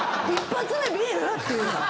１発目ビール⁉っていう。